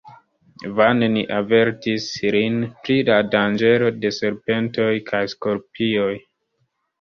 Vane ni avertis lin pri la danĝero de serpentoj kaj skorpioj.